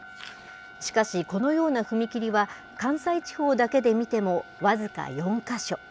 しかし、このような踏切は関西地方だけで見ても、僅か４か所。